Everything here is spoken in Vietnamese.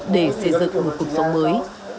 để xây dựng một cuộc sống mới